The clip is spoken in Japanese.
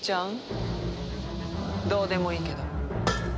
どうでもいいけど。